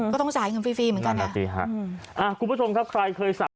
ก็ต้องจ่ายเงินฟรีเหมือนกันนะครับ